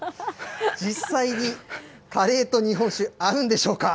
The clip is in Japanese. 実際にカレーと日本酒、合うんでしょうか。